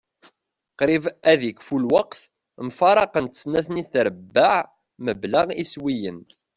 Qrib ad ikfu lweqt. Mfaraqent snat-nni n trebbaɛ mebla iswiyen.